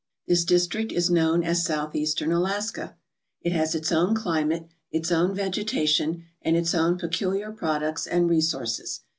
This district is known as Southeastern Alaska. It has its own climate, its own vegetation, and its own peculiar products and resources.